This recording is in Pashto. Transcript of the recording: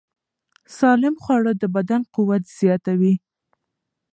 سالم خواړه د بدن قوت زیاتوي.